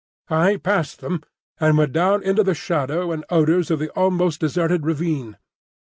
I passed them, and went down into the shadow and odours of the almost deserted ravine.